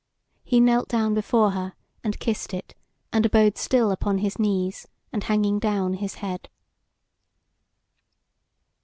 He knelt down before her and kissed it, and abode still upon his knees, and hanging down his head.